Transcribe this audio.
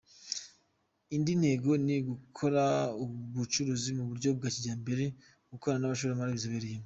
Indi ntego ni yo gukora ubucukuzi mu buryo bwa kijyambere bakorana n’abashoramari babizobereyemo.